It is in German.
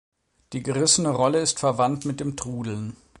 Die gerissene Rolle ist verwandt mit dem Trudeln.